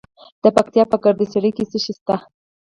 د پکتیا په ګرده څیړۍ کې څه شی شته؟